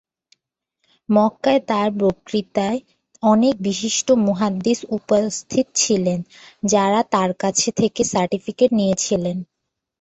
মক্কায় তার বক্তৃতায় অনেক বিশিষ্ট মুহাদ্দিস উপস্থিত ছিলেন, যারা তার কাছ থেকে সার্টিফিকেট নিয়েছিলেন।